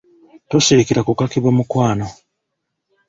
Tosirikira kukakibwa mukwano.